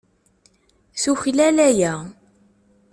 Tuklal aya.